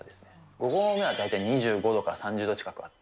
５合目が２５度から３０度近くあって。